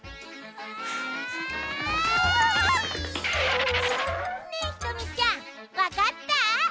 わあい！ねえひとみちゃんわかった？